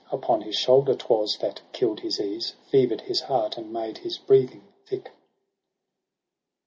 Upon his shoulder 'twas, that kill'd his ease, Fever'd his heart, and made his breathing thick.